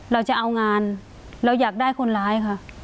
เราจะเอางานเราอยากได้คนร้ายค่ะ